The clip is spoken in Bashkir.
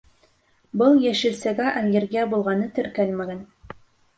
Был йәшелсәгә аллергия булғаны теркәлмәгән.